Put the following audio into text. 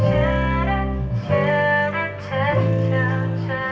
อยากบอกเธอดีบางครั้ง